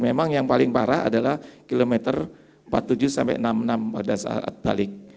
memang yang paling parah adalah kilometer empat puluh tujuh sampai enam puluh enam pada saat balik